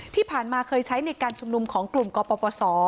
ที่ผ่านมาเคยใช้ในการชุมนุมของกลุ่มกปศ